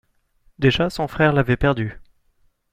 Déjà son frère l'avait perdu.